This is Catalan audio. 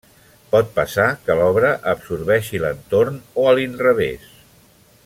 Pot passar que l'obra absorbeixi l'entorn, o a l'inrevés.